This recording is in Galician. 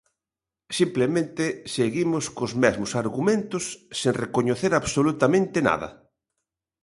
Simplemente seguimos cos mesmos argumentos, sen recoñecer absolutamente nada.